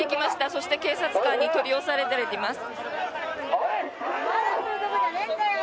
そして警察官に取り押さえられています。